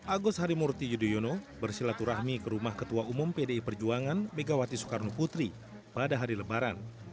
agus harimurti yudhoyono bersilaturahmi ke rumah ketua umum pdi perjuangan megawati soekarno putri pada hari lebaran